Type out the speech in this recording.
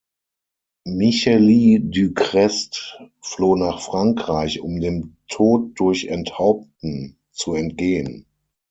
Micheli du Crest floh nach Frankreich, um dem Tod durch Enthaupten zu entgehen.